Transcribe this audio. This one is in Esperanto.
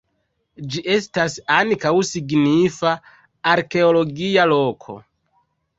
Ĝi estas ankaŭ signifa arkeologia loko.